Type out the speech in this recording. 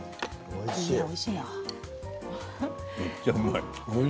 めっちゃうまい。